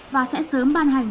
và sẽ sớm ban hành